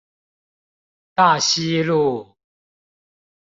大溪路